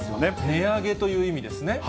値上げという意味ですね？